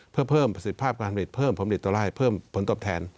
เพื่อเพิ่มสิทธิภาพการทำผลิตเพิ่มผลิตตัวลายเพิ่มผลตบแทน